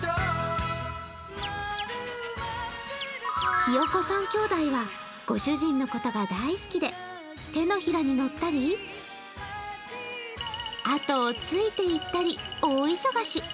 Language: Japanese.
ひよこ３兄妹は御主人のことが大好きで手のひらに乗ったり、あとをついていったり大忙し。